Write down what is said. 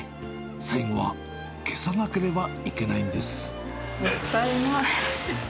最後は消さなければいけないんでもったいない。